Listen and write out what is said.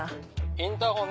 インターホン